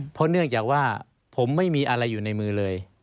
เพราะเนื่องจากว่าผมไม่มีอะไรอยู่ในมือเลย